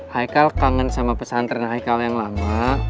haika kangen sama pesantren haika yang lama